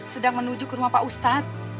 sedang menuju ke rumah pak ustadz